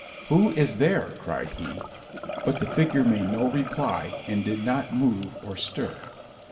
"Who is there?" cried he, but the figure made no reply, and did not move or stir.